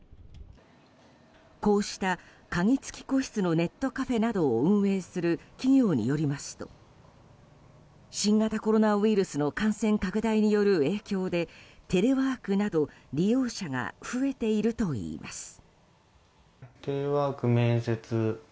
こうした鍵付き個室のネットカフェなどを運営する企業によりますと新型コロナウイルスの感染拡大による影響でテレワークなど利用者が増えているといいます。